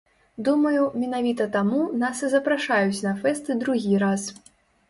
Думаю, менавіта таму нас і запрашаюць на фэсты другі раз.